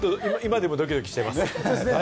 今でもドキドキしちゃいます。